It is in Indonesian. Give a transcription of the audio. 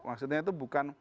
maksudnya itu bukan